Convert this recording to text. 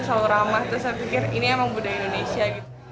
selalu ramah terus saya pikir ini emang budaya indonesia gitu